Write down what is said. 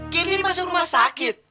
kendi masuk rumah sakit